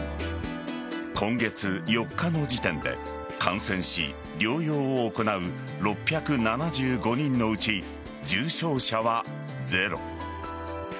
今月４日の時点で感染し療養を行う６７５人のうち、重症者はゼロ。